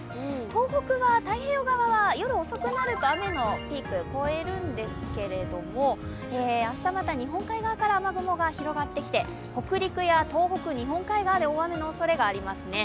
東北は太平洋側は夜遅くなると雨のピーク越えるんですけれども、明日また日本海側から雨雲が広がってきて北陸や東北日本海側で大雨のおそれがありますね。